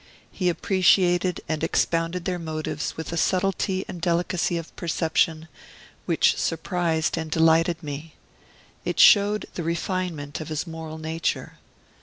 He appreciated and expounded their motives with a subtlety and delicacy of perception which surprised and delighted me. It showed the refinement of his moral nature.